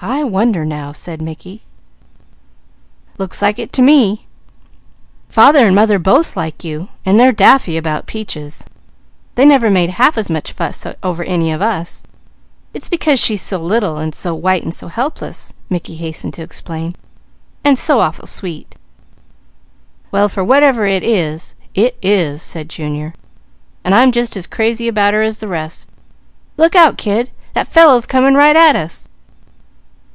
"I wonder now!" said Mickey. "Looks like it to me. Father and mother both like you, and they're daffy about Peaches." "It's because she's so little, and so white, and so helpless," Mickey hastened to explain, "and so awful sweet!" "Well for what ever it is, it is," said Junior, "and I'm just as crazy about her as the rest. Look out kid! That fellow's coming right at us!"